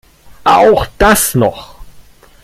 Auch das noch!